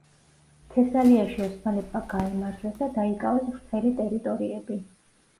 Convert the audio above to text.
თესალიაში ოსმალებმა გაიმარჯვეს და დაიკავეს ვრცელი ტერიტორიები.